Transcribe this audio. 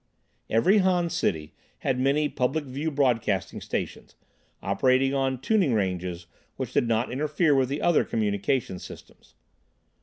Every Han city had many public view broadcasting stations, operating on tuning ranges which did not interfere with other communication systems.